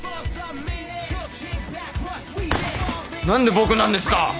何で僕なんですか！？